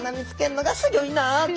のがすギョいなと。